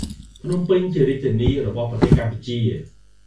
ភ្នំពេញជារាជធានីរបស់ប្រទេសកម្ពុជា។